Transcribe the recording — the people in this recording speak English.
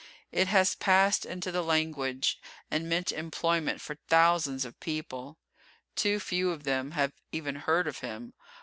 It has passed into the language, and meant employment for thousands of people. Too few of them have even heard of him.